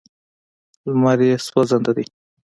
لمر یې سوځنده دی.